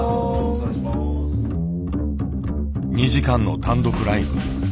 ２時間の単独ライブ。